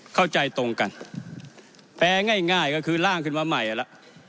เข้าใจตรงกันแปลง่ายก็คือร่างขึ้นมาใหม่แล้ว